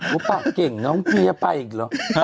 ปากเก่งน้องเฮียไปอีกเหรอ